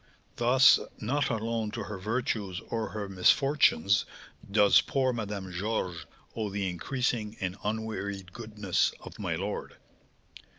Thus, not alone to her virtues or her misfortunes does poor Madame Georges owe the increasing and unwearied goodness of my lord."